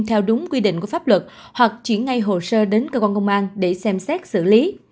theo đúng quy định của pháp luật hoặc chỉ ngay hồ sơ đến cơ quan công an để xem xét xử lý